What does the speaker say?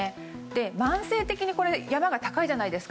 慢性的に山が高いじゃないですか。